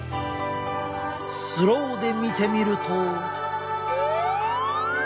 スローで見てみると。